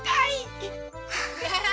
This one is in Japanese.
ハハハ！